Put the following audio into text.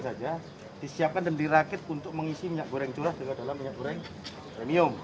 saja disiapkan dan dirakit untuk mengisi minyak goreng curah dengan dalam minyak goreng premium